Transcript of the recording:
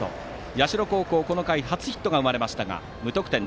社高校、この回初ヒットが生まれましたが無得点。